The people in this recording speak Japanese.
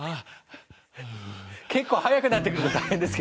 結構速くなってくると大変ですけどね。